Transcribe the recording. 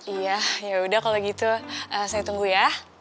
iya yaudah kalau gitu saya tunggu ya